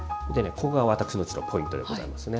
ここが私のポイントでございますね。